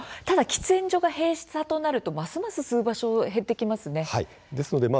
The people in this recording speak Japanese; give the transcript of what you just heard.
ただ喫煙者が閉鎖となるとますます吸う場所減ってきそうですね。